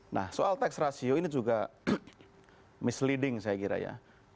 nah soal tax ratio ini juga misleading saya kira ya